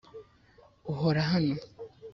uhora hano,